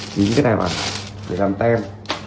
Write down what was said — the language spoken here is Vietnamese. chính cái này mà để làm tem